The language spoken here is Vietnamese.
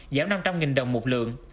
giảm năm trăm linh đồng một lượng